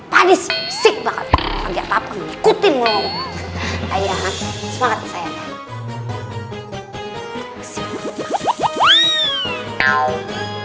padi sikpang ikutin lu ayah semangat saya